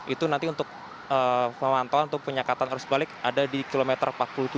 itu nanti untuk pemantauan atau penyekatan arus balik ada di kilometer empat puluh tujuh